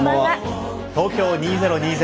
東京２０２０